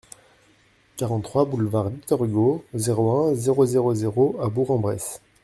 quarante-trois boulevard Victor Hugo, zéro un, zéro zéro zéro à Bourg-en-Bresse